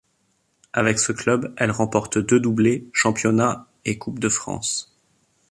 Avec ce club, elle remporte deux doublés championnat et Coupe de France.